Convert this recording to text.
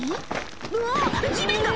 うわ地面が！